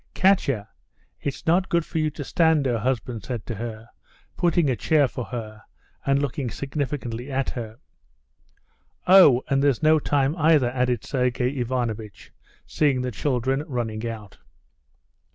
"Katya, it's not good for you to stand," her husband said to her, putting a chair for her and looking significantly at her. "Oh, and there's no time either," added Sergey Ivanovitch, seeing the children running out.